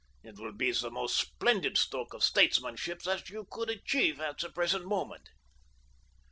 It will be the most splendid stroke of statesmanship that you could achieve at the present moment."